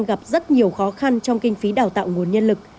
gặp rất nhiều khó khăn trong kinh phí đào tạo nguồn nhân lực